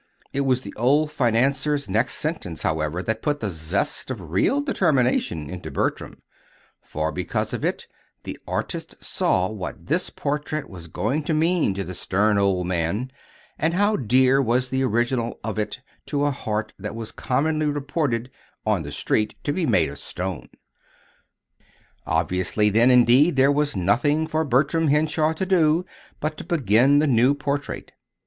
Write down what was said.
It was the old financier's next sentence, however, that put the zest of real determination into Bertram, for because of it, the artist saw what this portrait was going to mean to the stern old man, and how dear was the original of it to a heart that was commonly reported "on the street" to be made of stone. Obviously, then, indeed, there was nothing for Bertram Henshaw to do but to begin the new portrait.